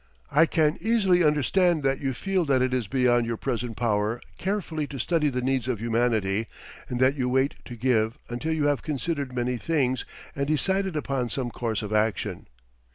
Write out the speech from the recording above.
I can easily understand that you feel that it is beyond your present power carefully to study the needs of humanity, and that you wait to give until you have considered many things and decided upon some course of action.